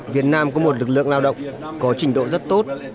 việt nam có một lực lượng lao động có trình độ rất tốt